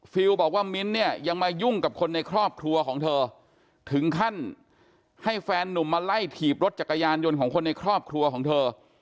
บอกว่ามิ้นท์เนี่ยยังมายุ่งกับคนในครอบครัวของเธอถึงขั้นให้แฟนนุ่มมาไล่ถีบรถจักรยานยนต์ของคนในครอบครัวของเธอ